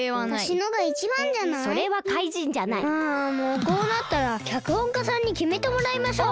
あもうこうなったらきゃくほんかさんにきめてもらいましょう。